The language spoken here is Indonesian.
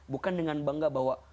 bukan dengan bangga bahwa